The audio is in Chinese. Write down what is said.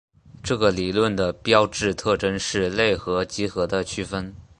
这个理论的标志特征是类和集合的区分。